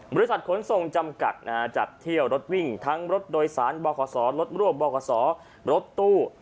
บริษัทขนส่งจำกัดจัดเที่ยวรถวิ่งทั้งรถโดยสารบขรถร่วมบขรถตู้